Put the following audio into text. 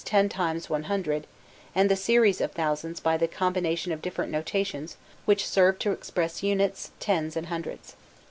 e. ten times one hundred, and the series of thousands by the combination of different notations which served to express units, tens, and hundreds.